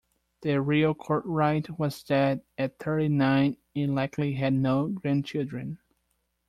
The real Courtright was dead at thirty-nine and likely had no grandchildren.